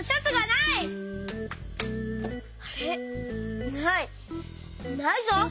ないぞ。